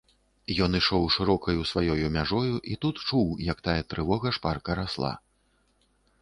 Ён ішоў шырокаю сваёю мяжою і тут чуў, як тая трывога шпарка расла.